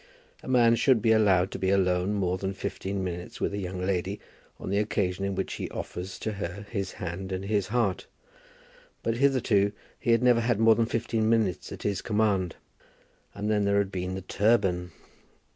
A man should be allowed to be alone more than fifteen minutes with a young lady on the occasion in which he offers to her his hand and his heart; but hitherto he had never had more than fifteen minutes at his command; and then there had been the turban!